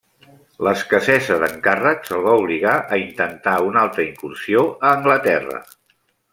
L'escassesa d'encàrrecs el va obligar a intentar una altra incursió a Anglaterra.